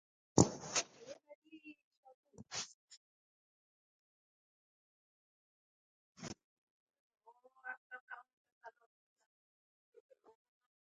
د جاپان یرغل چین اقتصاد ته زیان ورساوه.